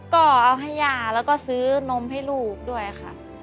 ก็เอาให้ย่าแล้วก็ซื้อนมให้ลูกด้วยค่ะ